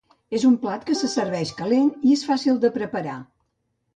És un plat que se serveix calent i és fàcil de preparar.